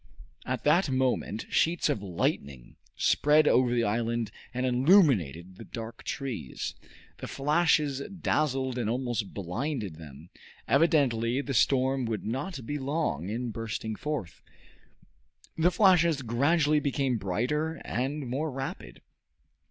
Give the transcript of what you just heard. At that moment sheets of lightning spread over the island and illumined the dark trees. The flashes dazzled and almost blinded them. Evidently the storm would not be long in bursting forth. The flashes gradually became brighter and more rapid.